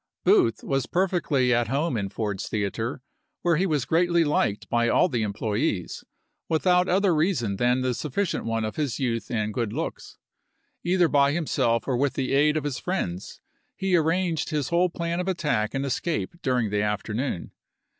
Booth was perfectly at statement, home in Ford's Theater, where he was greatly liked by all the employees, without other reason than the sufficient one of his youth and good looks. Either by himself or with the aid of his friends he arranged his whole plan of attack and escape dur ing the afternoon.